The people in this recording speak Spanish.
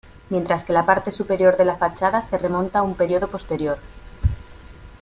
Mientras que la parte superior de la fachada se remonta a un período posterior.